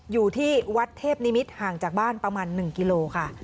อยู่ที่วัดเทพนิมิตรห่างจากบ้านประมาณ๑กิโลค่ะ